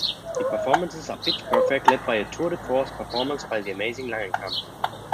The performances are pitch perfect, led by a tour-de-force performance by the amazing Langenkamp.